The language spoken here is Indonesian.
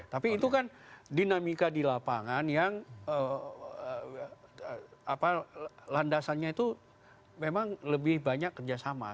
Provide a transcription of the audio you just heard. tapi itu kan dinamika di lapangan yang landasannya itu memang lebih banyak kerjasama